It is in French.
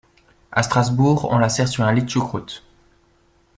À Strasbourg, on la sert sur un lit de choucroute.